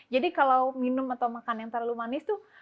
jadi kalau minum atau makan yang terlalu manis tuh